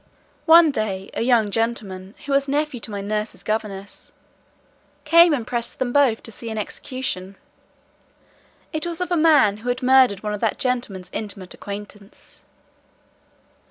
One day, a young gentleman, who was nephew to my nurse's governess, came and pressed them both to see an execution. It was of a man, who had murdered one of that gentleman's intimate acquaintance.